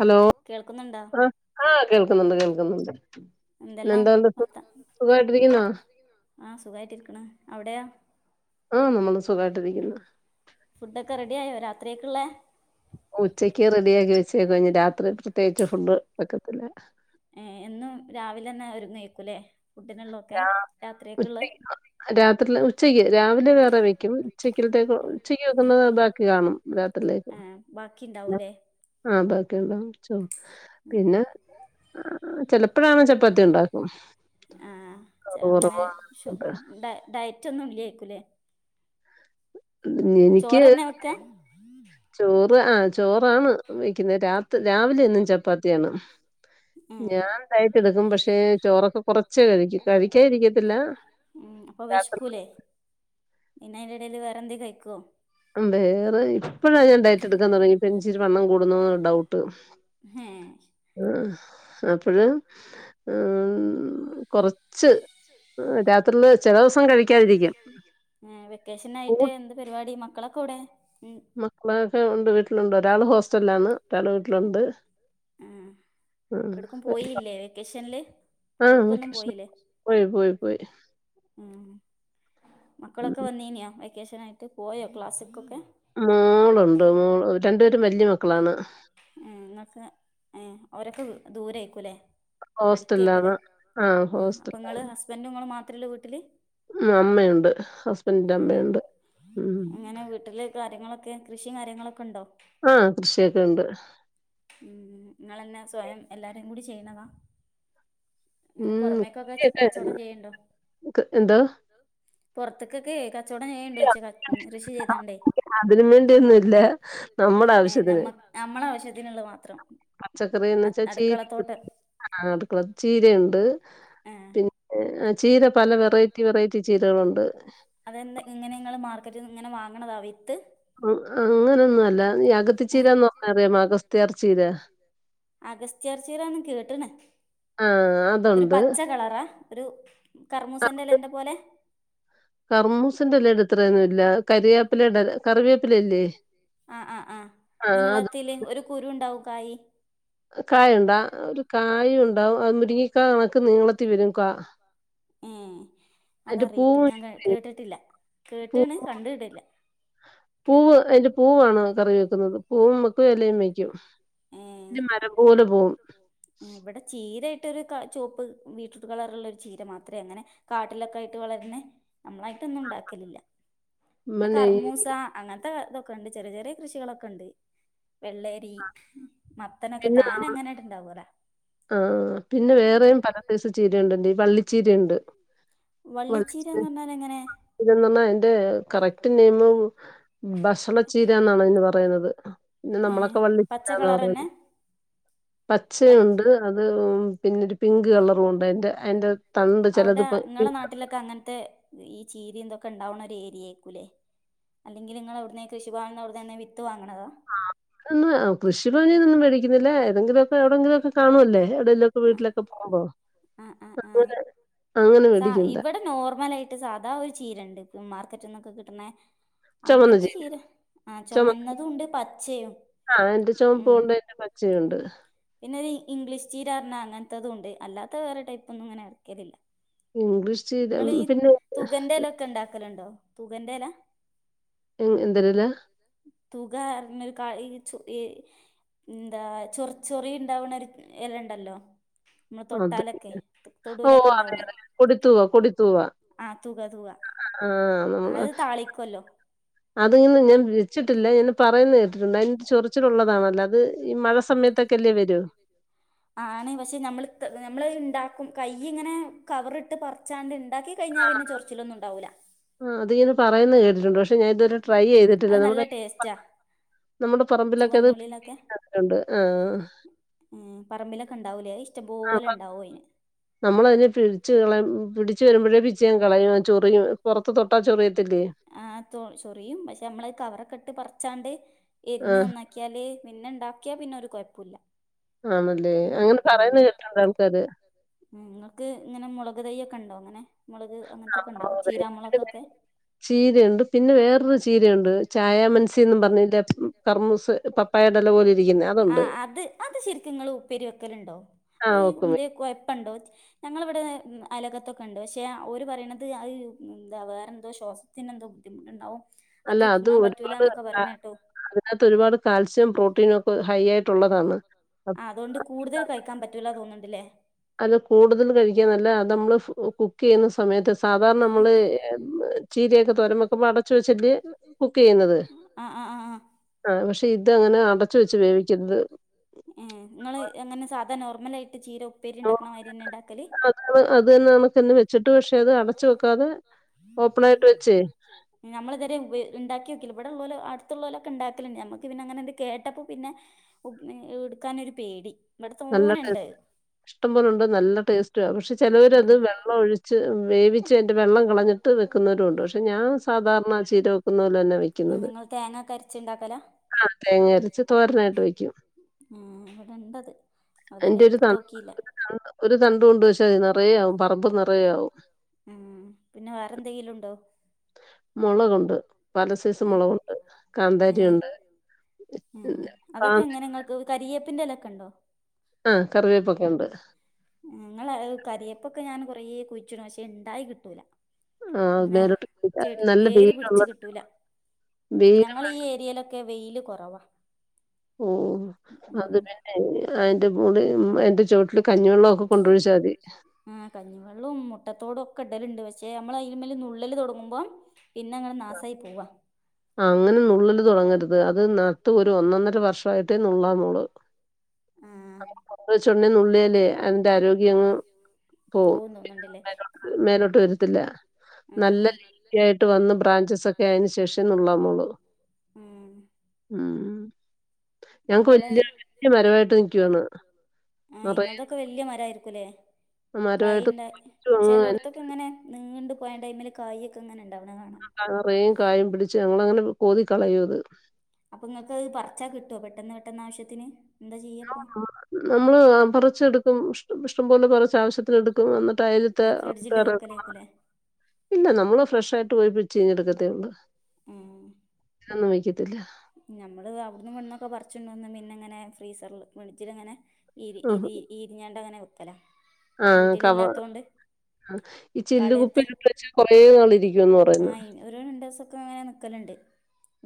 Hello ആ ആഹ് കേൾക്കുന്നുണ്ട് കേൾക്കുന്നുണ്ട് പിന്നെന്തുണ്ട് സുഖായിട്ടിരിക്കുന്നോ ആ നമ്മള് സുഖയിട്ടിരിക്കുന്നു ഫുഡ് ഒക്കെ റെഡി ആയോ രാത്രിയേക്കുള്ളേ ഉച്ചക്കേ റെഡിയാക്കി വെച്ചേക്കുവാ ഇനി രാത്രി പ്രത്യേകിച്ച് ഫുഡ് വെക്കത്തില്ല ഏ എന്നും രാവിലെന്നെ അവര് നീക്കും ലേ രാ ഉച് രാത്രിയില് ഉച്ചക്ക് രാവിലെ വേറെ വെക്കും ഉച്ചക്കൽത്തേക്ക് ഉച്ചക്ക് വെക്കുന്നത് ബാക്കി കാണും രാത്രിയിലേക്കും ആഹ് ബാക്കിണ്ടാവും ചോ പിന്നെ ചെല [unintelligible] ചപ്പാത്തി ഉണ്ടാക്കും ആ അങ്ങനെ ഷു ഡ ഡയ റ്റൊന്നും ഇല്ലാര്ക്കൂലേ എനിക്ക് ചോ ചോറ് ആ ചോറാണ് വക്കുന്നത് രാത് രാവിലെ എന്നും ചപ്പാത്തിയാണ് ഞാൻ ഡയറ്റ് എടുക്കും പക്ഷേ ചോറൊക്കെ കൊറച്ചേ കഴിക്കൂ കഴിക്കാതിരിക്കത്തില്ല രാത്രി പിന്നയിന്റെ എടേല് വേറെന്തേം കഴിക്കുവോ ഉം വേറെ ഇപ്പഴാ ഞാൻ ഡയറ്റ് എടുക്കാൻ തുടങ്ങി ഇപ്പ എനിച്ചിരി വണ്ണം കൂടുന്നൂ ഡൗ ട്ട് ആഹ് അപ്പഴ് ഉം ഏ വെക്കേഷനായിട്ട് എന്ത് പരിപാടി മക്കളൊ ക്കെവടെ മക്കളൊക്കെ ഉണ്ട് വീട്ടിലുണ്ട് ഒരാൾ ഹോസ് റ്റല്ലാന്ന് മറ്റാള് വീട്ടിലുണ്ട് ആഹ് പോയി പോയി പോയി ഉം മക്കളൊക്കെ വന്നീന്യോ വെ വെക്കേഷനായിട്ട് പോയോ ക്ലാസ്ക്കൊക്കെ മോളുണ്ട് മോൾ രണ്ടുപേരും വല്ല്യ മക്കളാണ് ഉം [unintelligible] ഏഹ് ഓരൊക്കെ ദൂരയിക്കൂല്ലേ? പഠിക്കേക്കുല്ലേ ഉം അപ്പൊ നിങ്ങള് ഹസ്ബന്റും ങ്ങൾ മാത്ര ഇത്രള്ളു വീട്ടിൽ ഉം അമ്മയുണ്ട് ഹസ്ബൻറിന്റെ അമ്മയുണ്ട് ഉം കൃഷി കാര്യങ്ങളൊക്കെ ഉണ്ടോ? ആഹ് കൃഷിയൊക്കെണ്ട് ഉം നിങ്ങളന്നെ സ്വയം എല്ലാവരും കൂടി ചെയ്യണതാ? ഉം എന്താ പുറത്തക്കൊക്കെ അതിന് വേണ്ടിയൊന്നുംല്ല നമ്മുടെ ആവശ്യത്തിന് നമ്മളെ ആവശ്യത്തിനുള്ള മാത്രം അടുക്കളത്തോട്ടം ചീരയുണ്ട് പിന്നെ ചീര പല വെറൈറ്റി വെറൈറ്റി ചീരകളുണ്ട്. മാർക്കറ്റിന്ന് ഇങ്ങനെ വാങ്ങണതാ വിത്ത്? ഉം അങ്ങനെയൊന്നും അല്ല. നീ അകത്തി ചീരന്ന് പറഞ്ഞാ അറിയാ അഗസ്ത്യർ ചീര ആഹ അതുണ്ട്. ഒരു കർമ്മൂസന്റെലന്റെ പോലെ കർമ്മൂസന്റെ ഇലേടെ അത്ര ലാ കറിവേപ്പില ഇട കറിവേപ്പിലല്ലേ ആഹ് കുരുണ്ടാവും. കായി കായുണ്ടാ ഒരു കായ ഉണ്ടാവും അത് മുരിങ്ങിക്കാ കണക്ക് നീളത്തി വരും കാ ഏഹ് അതറിയിട്ട് ഞാൻ കേട്ടിട്ടില്ല കേട്ടണ് കണ്ട് ഇട്ടില്ല പൂവ് അതിന്റെ പൂവാണ് കറി പൂ വക്കും എലേം വയ്ക്കും പി മരം ഇവിടെ ചീര ഒരു ചോപ്പ് ബീട്രൂട്ട് കളറുള്ള ഒരു ചീര മാത്രമേ അങ്ങനെ കാട്ടിലൊക്കെ ആയിട്ട് വളരന്നെ നമ്മളായിട്ടൊന്നും ഉണ്ടാക്കലില്ല പിന്നെ കർമൂസ അങ്ങനത്തെ ഇതൊക്കെ ഉണ്ട് ചെറിയ ചെറിയ കൃഷികളൊക്കെണ്ട് വെള്ളരി മത്തനൊക്കെ താ ആഹ് പിന്നെ വേറെയും പല സൈസ് ചീരണ്ട്ഈ പി ചീര ണ്ട് പറാൽ അതി കറക്ട് നെയ്മ് ഭഷണച്ചീര എന്ന പറയുന്നത് പിന്നെ നമ്മളെ [inaudible] പച്ചെയെണ്ട് അത് ഉം പിന്നൊരു പിങ്ക് കളറും ഒണ്ട് അയ്ന്റ അയ്ന്റ അവിടെ നിങ്ങളെ നാട്ടിലൊക്കെ അങ്ങനത്തെ ഈ കീരി എന്തൊക്കെ ഉണ്ടാവുന്ന ഒരു ഏരിയായിക്കൂല്ലെ അല്ലെങ്കിൽ നിങ്ങവിടെ കൃഷിഭവനിന് തന്നെ ആ ഒ കൃഷിഭവനൊന്നും മേടിക്കുന്നില്ലേ ഏതെങ്കിലും അ എവിടെകിലുയൊക്കെ കാണല്ലേ ടെലൊക്കെ വീട്ടിലൊക്കെ പോകുമോ അങ്ങന അങ്ങനെ മേടികേണ്ട മാർക്കറ്റിൽ നിന്നൊക്കെ കിട്ടുന്ന അങ്ങനത്തെ ചീര ആ ചുമന്നതുമുണ്ട് പച്ചയും പിന്നെ ഇംഗ്ലീഷ് ചീര അങ്ങനത്തതുമുണ്ട് അല്ലാത്ത വേറെടപ്പ് ഒന്നും ഇങ്ങനെ ഇറക്കലല്ല ഇംഗ്ലീഷ് പിന്നെ ലണ്ടോ തുകന്റയില എ എന്തൊരുയില തുക അരു കാ എന്താ ചൊറ ചൊറിയ ഉണ്ടാവുന്ന ഒരു ഇലണ്ട ട്ടല്ലോ നമ്മള് തൊട്ടാലൊക്കെ തൊടുവലൊക്കെ ഉണ്ടാവണേ ആഹ തുക തുക അത് താളിക്കല്ലോ അതെ ഞാൻ വെച്ചിട്ടില്ല ഞാൻ പറയുന്നത് കേട്ടിട്ടുണ്ട് അതിന്റെ ചൊറിച്ചിലുള്ളള്ളതണല്ല അത് ഈ മഴ സമയത്തൊക്കെ ആണ് പക്ഷെ നമ്മളു നമ്മൾ ഉണ്ടാക്കും കൈ ഇങ്ങനെ കവറിട്ട് പറിച്ചാണ്ട് ഉണ്ടാക്കി കഴിഞ്ഞാൽ പിന്നെ ചൊറച്ചിലൊന്നും ഉണ്ടാവില്ല പറയുന്ന കേട്ടിട്ടുണ്ട് ഞാൻ ഇത് വരെ ട്രൈ ചെയ്‌തിട്ടില്ല നമ്മടെ ചുവന്നുള്ളിലൊക്കെ പറമ്പിലൊക്കെ ഉണ്ടാവൂലെ ഇഷ്ടപോലെ ഉണ്ടാവോ അതിന് നമ്മളതിനിട്ട് ഇടിച്ചുകളയണം പിടി [unintelligible] ആ ചൊറിയും പക്ഷെ നമ്മൾ കവറൊക്കെ ഇട്ട് ചാണ്ടേ ച എന്ന നന്നാക്കിയാല് പിന്നെ ഇണ്ടാക്കിയാ പിന്നെ ഒരു കുഴപ്പിവുമില്ല ആന്നല്ലേ അങ്ങനെ പറയുന്ന കേട്ടിട്ടുണ്ട് [unintelligible] നിങ്ങൾക്ക് ഇങ്ങനെ മുളക് തൈ ഒക്കെ ഉണ്ടോ ഇങ്ങനെ [unintelligible] ചീരുണ്ട് പിന്നെ വേറൊരു ചീരുണ്ട് ചായ മന സിൽ പറഞ്ഞ [unintelligible] ആ അത് അത് ശരിക്കുംങ്ങൾ ഉപ്പേരി വെക്കലുണ്ടോ അത് എന്തെ കുഴ ഇപ്പ ഉണ്ടോ ഞങ്ങളവിടെ അലകത്തൊക്കെ പ്പണ്ട് നങ്ങളിവിടെ അയലോക്കതൊക്കെണ്ട്പക്ഷേ ഓൽപ റീണന്നത് ആ എന്താ വേറെ എന്തോ ശ്വാസത്തിന് എന്തോ ബുദ്ധിമുട്ടുണ്ടാകും അല്ല അത് ഒരുപാട് അതിനകത്ത് ഒരുപാട് കാൽസ്യം പ്രോട്ടീന ഒക്കെ ഹൈ ആയിട്ടുള്ള ന്നതാണ് ആ അതുകൊണ്ട് കൂടുതൽ കഴിക്കാൻ പറ്റൂല തോന്നുന്നുണ്ട് അല്ലേ അല്ല കൂടുതൽ കഴിക്കാാനല്ല അത് നമ്മള് കു കുക്ക് ചെയ്യുന്ന സമയത്ത് സാധാരണ നമ്മള് ചീരയൊക്കെ തോരമ്പെക്കുമ്പോ അടച്ച് വെച്ചല്ലേ കുക്ക് ചെയ്യുന്നത് ആ പക്ഷെ ഇതങ്ങനെ അടച്ച് വെച്ച് വേവിക്കുന്നത് ങ്ങല്ലയി അത് തന്നെ നമക്കന്നെ വെച്ചിട്ട നമ്മളിതുവരെ ഉപ ഉണ്ടാക്കിയ ഇവിടെ ഉള്ളലോ അടുത്തുളോലൊക്കെ ഉണ്ടാക്കല നമ്മക്ക് പിന്നെ അങ്ങനെ കേട്ടപ്പോ പിന്നെ ഉ എടുക്കാനൊരു പേടി നല്ല ടേസ്റ്റ് ഇഷ്ടംപോലുണ്ട് നല്ല ടേസ്റ്റ പക്ഷെ ചിലവരത് വെള്ളം ഒഴിച്ച് വേവിച്ചതിൻ്റെ വെള്ളം കളഞ്ഞിട്ട് വെക്കുന്നവരും ഉണ്ട് പക്ഷേ ഞാൻ സാധാരണ ചീര ഒന്നൂല തന്നെ വെക്കുന്നത് ആ തേങ്ങ അരച്ച് തോരനായിട്ട് വെക്കും അതിന്റെ ഒരു ത ഒരു തണ്ട് കൊണ്ട് വെച്ചാ തി നിറയെ ആവും പറമ്പ് നിറയെ ആവും [unintelligible] മുളകൊണ്ട് പലസീസ് മുളകുണ്ട് കാന്താരി ഉണ്ട് കാന്തരി പിന്റെലൊക്കെ ഉണ്ടോ ഞങ്ങൾ കരയപ്പൊക്കെ ഞാൻ കൊറേ കുഴിച്ചിടുംപക്ഷെ ഇണ്ടായി കിട്ടൂല ആഹ വേറൊട്ട നല്ല വെയിലുള്ളിടത്തു ഉം ഞങ്ങൾ ഈ ഏരിയയിലൊക്കെ ഒക്കെ വെയില് കുറവാ ഓ അത് വേ അയിന്റെ കൂടെയും അയിന്റ ചുവട്ടിലും ആ കഞ്ഞിവെള്ളവും മുട്ടത്തോടും കടലുണ്ട് പക്ഷേ മ്മള് അയിമേല് നുള്ളല് തുടങ്ങുമ്പോം ആ അങ്ങനെ നുള്ളല് തൊടങ്ങരുത് ആ അത് നട്ട് ഒരു ഒന്നൊന്നര വർഷായിട്ടേ നുള്ളാമോള് വെച്ച് ഒടനെ നുള്ളിയാലേ അതിന്റെ ആരോഗ്യങ്ങ് പോവും പിന്നെ മേലോട്ട് വരുത്തില്ല നല്ല രീതിയായിട്ട് വന്ന് ബ്രാഞ്ചസ ക്കെ ആയേന് ശേഷമേ നുള്ളാമോള് മ്മ് മക്കള് ആഹ ഇങ്ങതൊക്കെ വല്യ മരയിരിക്കുല്ലേ കായുണ്ട ചിലോടത്തൊക്കെ ഇങ്ങനെ നീണ്ട് പോയ ടൈമില് കായൊക്കെങ്ങനെ ഉണ്ടാവ കറയും കായം പിടിച്ച് ഞങ്ങളത് അങ്ങനെ കോതി കളയൂത് അപ്പൊ നിങ്ങക്ക്ത് പറച്ചാ കിട്ടുവോ പെട്ടെന്ന് പെട്ടെന്ന് ആവശ്യത്തിന് ആ നമ്മള് പറച്ചെടുക്കും [unintelligible] [unintelligible] പോലെ പറിച്ച ആവശ്യത്തിന് എടുക്കും അന്നെ ട്ട ആയിലിതെ [unintelligible] പിന്നെ നമ്മള് ഫ്രഷായിട്ട് പോയി പിച്ചി ഇങ്ങ് എടുക്കത്തെയൊള്ള് ഉം [unintelligible] വയ്ക്കത്തില്ല ഞമ്മള് അവിടന്ന് [unintelligible] ന്നൊക്കെ പറിച്ച് വന്ന് പിന്നെ ഇങ്ങനെ ഫ്രീസറിൽ ഫ്രിഡ്ജിലങ്ങനെ ഇരി ഇരി ഇരിഞ്ഞണ്ട അങ്ങനെ വെ ക്കല ആഹ് കവ ആ ഈ ചില്ലുകുപ്പിലിട്ട് വെച്ച കുറേ നാൾ ഇരിക്കുന്ന് പറയുന്നു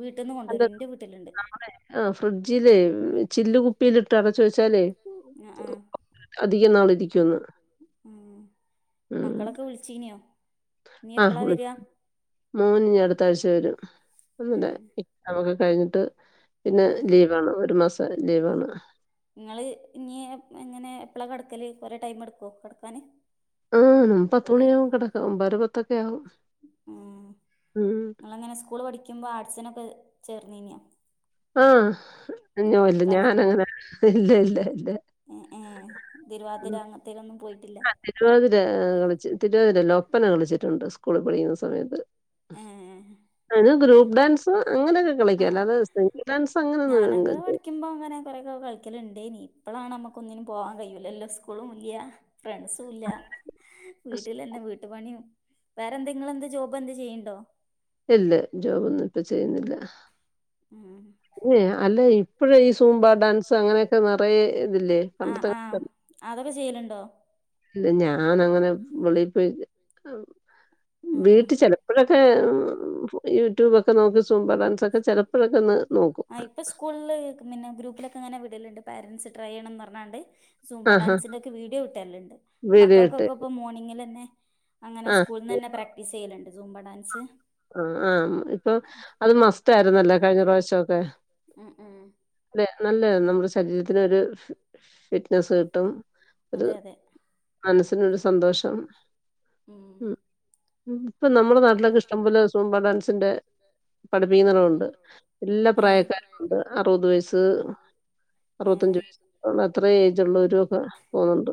വീട്ടിന്ന് കൊണ്ടുവര ആ ഫ്രിഡ്ജില് ചില്ല് കുപ്പിലി ആ ആ മ്മ് മക്കളൊക്കെ വിളിച്ചിനിയോ ആ് വിളി മോൻ ഇനി അടുത്താഴ്ച വരും [unintelligible] [unintelligible] കഴിഞ്ഞിട്ട് പിന്നെ ലീവാണ് ഒരു മാസം ലീവാണ് [inaudible] ങ്ങള് ഇനി എങ്ങനെ എപ്പളാ കെടക്കല് കൊറേ ടൈം എടുക്കുവോ കിടക്കാന് ആ നമ്മ പത്ത് മണിയാവും കിടക്ക ഒമ്പതരപത്തക്ക മ്മ് ങ്ങളെങ്ങനെ സ്കൂള് പഠിക്കുമ്പോ ആട്സിനൊ ക്ക ചേർന്നീനിയ ആഹ് അഞ്ഞോല്ല ഞാനങ്ങനെ ഇല്ല ഇ [unintelligible] മ്മ് മ്മ് തിരുവാതിര അങ്ങത്തെലൊന്നും പോയി ആ തിരുവാതിര കളിച്ച് തി തിരുവാതിരല്ല ഒപ്പന കളിച്ചിട്ടുണ്ട് സ്കൂളി പഠിക്കുന്ന സമയത്ത് അന്ന് ഗ്രൂപ്പ് ഡാൻസ് അങ്ങനെയൊക്കെ കളിക്കും അല്ലാതെ സിംഗിൾ ഡാൻസ് അങ്ങനെ ഒന്നും [unintelligible] ണ്ടേനീ ഇപ്പോളാണ് നമ്മുക്ക് ഒന്നിനും പോവാൻ കയൂല്ലല്ലോ സ്കൂളും ഇല്യാ ഫ്രണ്ട്സുല്ല വീട്ടിലന്നെ വീട്ടു പണിയും വേറെ എന്തെ ങ്ങള് എന്ത്‌ ജോബ് എന്ത് ചെയ്യ ട്ടോ ഇല്ല ജോബ് ഒന്നി [inaudible] ഇപ്പ ചെയ്യുന്നില്ല ഏ അല്ല ഇ പ്രീസ് സൂമ്പ ഡാൻസ് അങ്ങനെയൊക്കെ നിറയെ ഇതില്ലേ പണ്ടത്തെ കാല ക്കെ ചെയ്യലുണ്ടോ ഞാൻ അങ്ങനെ വിളിപ്പി വീ ചെലപ്പഴൊക്കെ യൂട്യൂബൊക്കെ നോക്കി സൂപ്പർ ഡാൻസ് ഒക്കെ ചെലപ്പഴൊക്കെ ഒന്ന് നോക്കും പാരന്റ്സ് ട്രൈ ചെയ്യണന്ന് പറഞ്ഞാണ്ട് സൂമ്പ ഡാൻസിന്റൊക്കെ വീഡിയോ ഇട്ടരലുണ്ട് മക്കൾക്കൊക്കെ ഇപ്പ മോർണിങ്ങിലന്നെ അങ്ങനെ സ്കൂൽ തന്നെ പ്രാക്ടീസ് ചെയ്യലണ്ട് സൂമ്പ ഡാൻസ് ആ ആ ഇപ്പൊ അത് മസ്റ്റാരുന്നല്ലോ കഴിഞ്ഞ പ്രാവശ്യവൊക്കെ ല്ലെ നല്ലത നമ്മുടെ ശരീരത്തിന് ഒരു നസ്കിട്ടും ഒരു മനസ്സിനൊരു സന്തോഷം ഇപ്പൊ നമ്മുടെ നാട്ടിലലൊക്കെ ഇഷ്ടംപോലെ സൂമ്പ ഡാൻസിന്റെ പഠിപ്പിക്കുന്നടം ഒണ്ട് എല്ലാ പ്രായക്കാരുണ്ട് അറുപത് വയസ് അറുപത്തഞ്ചു വയസ് അത്രെ ഏജ് ഒള്ളോര് ഇപ്പൊ പോണോണ്ട്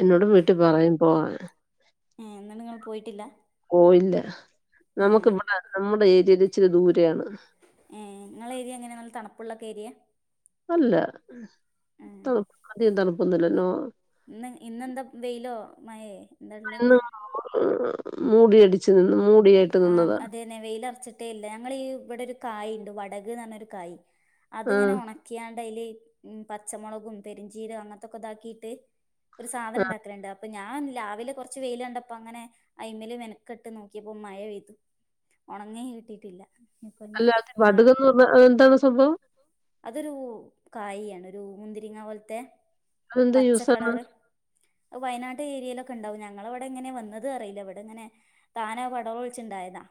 എന്നോട് വീട്ടി പറയും പോവാൻ പോയില്ല നമ്മുക്ക് [unintelligible] നമ്മുടെ ഏരിയയില് ഇച്ചിരി ദൂരെയാണ് ങ്ങളെ ഏരിയ എങ്ങനെയാ നല്ല തണുപ്പുള്ളൊക്ക ഏരിയാ അല്ല തണു ആദ്യം തണുപ്പൊന്നുയില്ലല്ലോ മയെ [unintelligible] ആ അതെന്നെ വെയിലറച്ചിട്ടേയില്ല ഞങ്ങളി ഇവിടെ ഒരു കായ്ണ്ട് വടക്ന്ന്റഞ്ഞൊരു കായ് അത്ങ്ങനെ ഉണക്കിയാ ണ്ടയില് പച്ചമുളകും പെരിഞ്ചീരകം അങ്ങനത്തൊക്കെതാക്കിട്ട് ഒരു സാധനം ണ്ടാക്കല്ണ്ട് ഞാൻ രാവിലെ കുറച്ച് വെയില് കണ്ടപ്പോ അങ്ങനെ ആയിൻമെല് ഇട്ട് നോക്കിയപ്പോ മഴ പെയ്തു ഉണങ്ങിയെ കിട്ടിയിട്ടില്ല ഇനിപ്പോ ഇനി നാളെ അതൊരു കായയാണ് ഉ മുന്തിരിങ്ങ പോലത്തെ പച്ചക്കളറ് വയനാട് ഏരിയയിലൊക്കെ ണ്ടാവും ഞങ്ങള അവിടെ എങ്ങനെ വന്നത് അറിയില്ല ഇവിടെ എങ്ങനെ താനാ പടവ ഒഴിച്ചണ്ടായതാ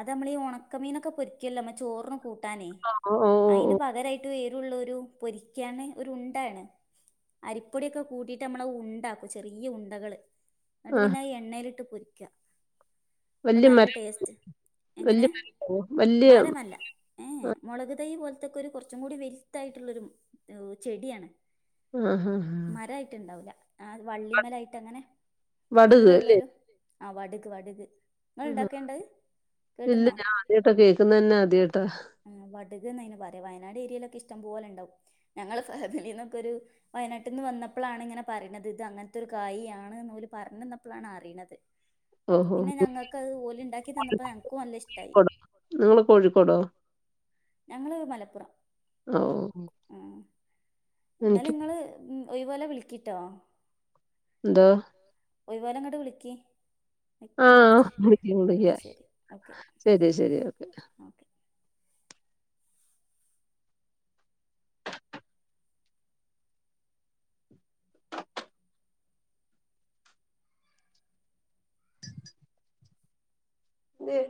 അത് നമ്മള് ഈ ഉണക്കമീനൊക്കെ പൊ ക്കല്ലോ മ്മ ചോറിന് കൂ- ട്ടാനെ അയിനുപകരമായിട്ട് വേ- ഉള്ളൊരു പൊരിക്കാണ് ഒരു ഉണ്ടയാണ് അരിപ്പൊടിയൊക്കെ കൂട്ടിയിട്ട് നമ്മള് ഉണ്ടാക്കും ചെറിയ ഉണ്ടകള് എന്നിട്ട് പിന്നെ എണ്ണയിലിട്ട് പൊ- പൊരിക്കാ വല്യമരാ വല്യ [inaudible] വല്യ ഏഹ് മുളകുതൈ പോലത്തക്കെ ഒരു കുറച്ചും കൂടി വലുതായിട്ടുള്ളൊരു ചെടിയാണ് മരവായിട്ടുണ്ടാവൂല്ല ആ വള്ളിമേലായിട്ട് അങ്ങനെ മുള്ളുള്ളൊരു ആ വടുക് വടുക് നിങ്ങൾ ഇണ്ടാക്കേയണ്ടത് കേട്ടിരുന്നോ ആ വടുകന്നെ അയിന് പറയാ വയനാട് ഏരിയയിലൊക്കെ ഇഷ്ട- ഇഷ്ടംപോലെ ഉണ്ടാവും ഞങ്ങള് ഫാമിലിന്നൊക്കെ ഒരു വയനാട്ടിന്ന് വന്നപ്പോഴാണ് ഇങ്ങനെ പറയണത് ഇത് അങ്ങനത്തെ ഒരു കായിയാണെന്ന് അവര് പറഞ്ഞു തന്നപ്പോളാണ് അറിയണത് അപ്പൊ പിന്നെ ഞങ്ങക്ക് അതുപോലെ ഉണ്ടാക്കി തന്നപ്പോ ഞങ്ങക്കു നല്ല ഇഷ്ടായി ഞങ്ങള് മലപ്പുറം ഓഹ് ഇന്നലെ നിങ്ങള് മ് ഒഴിവുപോലെ വിളിക്കിട്ടോ എന്തോ ഒഴിവുപോലെ അങ്ങട് വിളിക്കി കുറച്ച് അന്നാ ശരി ഓക്കെ ഓക്കെ [unintelligible]